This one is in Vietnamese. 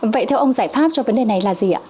vậy theo ông giải pháp cho vấn đề này là gì ạ